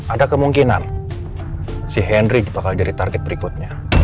ada kemungkinan si henry bakal jadi target berikutnya